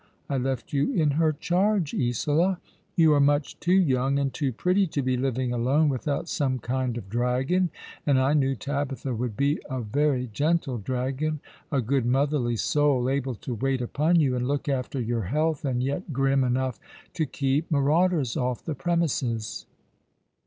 I left you in her charge, Isola. You are much too young and too pretty to be living alone v;ithout some kind of dragon— and I knew Tabitha would be a very gentle dragon — a good motherly soul, able to wait upon you and look after your health, and yet grim enough to keep marauders off the premises.